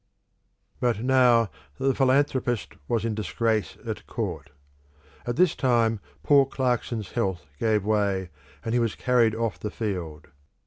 But now the philanthropist was in disgrace at court. At this time poor Clarkson's health gave way, and he was carried off the field.